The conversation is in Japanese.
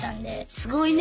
すごいね！